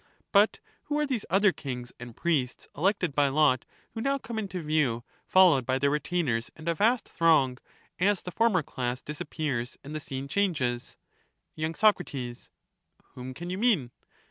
But who are these other kings and priests elected by StaUsman, lot who now come into view followed by their retainers and Stramcm, a vast throng, as the former class disappears and the scene ^sociSlTBa changes? At last the y. Soc, Whom can you mean